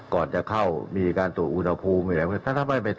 ต้นจัดตั้งเก้าอี้ก่อนจะเข้ามีการตรวจอุณหภูมิ